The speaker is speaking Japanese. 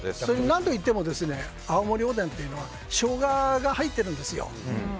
何といっても青森おでんというのはショウガが入ってるんですよ。